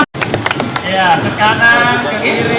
ke kanan ke kiri